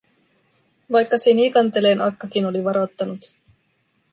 Vaikka Sinikanteleen akkakin oli varottanut.